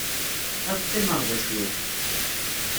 Ad qqimeɣ da cwiṭ.